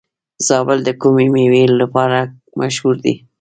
زابل د کومې میوې لپاره مشهور دی؟